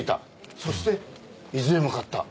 そして伊豆へ向かった。